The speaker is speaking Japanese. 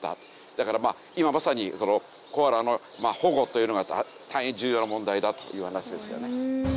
だからまあ今まさにコアラの保護というのが大変重要な問題だという話ですよね。